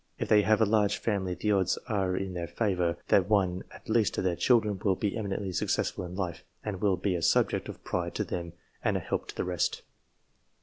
If they have a large family, the odds are in their favour that one at least of their children will be eminently successful in life, and will be a subject of pride to them and a help to the rest.